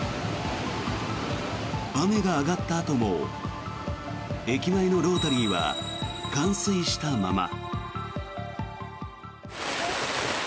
雨が上がったあとも駅前のロータリーは冠水したまま。